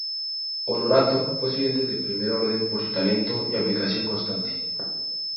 Honorato fue estudiante de primer orden por su talento y aplicación constante.